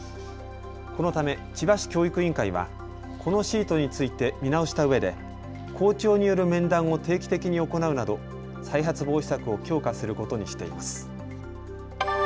このため千葉市教育委員会はこのシートについて見直したうえで校長による面談を定期的に行うなど、再発防止策を強化することにしています。